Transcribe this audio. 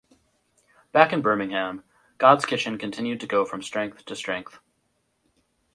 Back in Birmingham, Godskitchen continued to go from strength to strength.